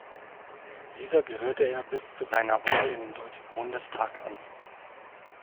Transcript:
Dieser gehörte er bis zu seiner Wahl in den Deutschen Bundestag an.